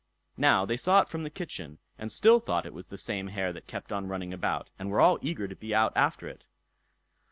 Now, they saw it from the kitchen, and still thought it was the same hare that kept on running about, and were all eager to be out after it.